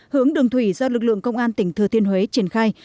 hướng đường thủy do lực lượng công an tỉnh thừa thiên huế triển khai